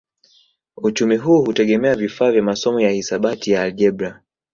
Uchumi huu hutegemea vifaa vya masomo ya kihisabati ya aljebra